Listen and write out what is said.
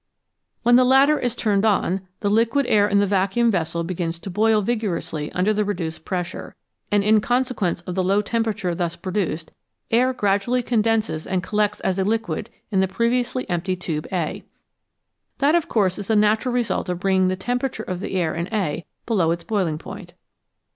When the latter is turned on, the liquid air in the vacuum vessel begins to boil vigorously under the reduced pressure, and in consequence of the low temperature thus produced, air gradually con denses and collects as a liquid in the previously empty tube A. That, of course, is the natural result of bringing the temperature of the air in A below its boiling point.